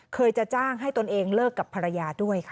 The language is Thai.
จะจ้างให้ตนเองเลิกกับภรรยาด้วยค่ะ